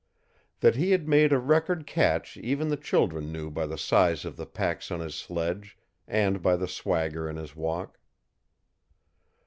That he had made a record catch even the children knew by the size of the packs on his sledge and by the swagger in his walk.